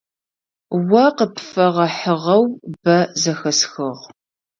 О къыпфэгъэхьыгъэу бэ зэхэсхыгъ.